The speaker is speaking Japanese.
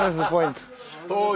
当時。